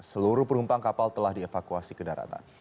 seluruh penumpang kapal telah dievakuasi ke daratan